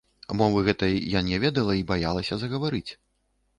Мовы гэтай я не ведала й баялася загаварыць.